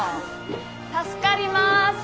助かります。